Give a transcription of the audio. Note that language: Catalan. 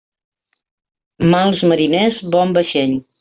Mals mariners, bon vaixell.